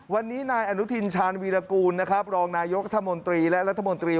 วันนี้นายอนุทินชาญวีรกูลรองนายกรรมนาฬิกาและรัฐมนตรี